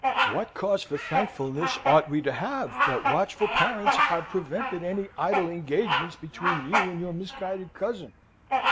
"What cause for thankfulness ought we to have that watchful parents have prevented any idle engagements between you and your misguided cousin.